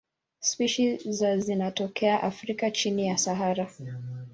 Spishi za zinatokea Afrika chini ya Sahara.